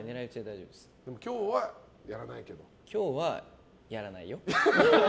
今日は、やらないよ。